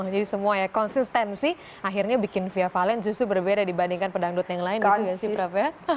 jadi semua ya konsistensi akhirnya bikin fia valen justru berbeda dibandingkan pendangdut yang lain gitu ya sih prof ya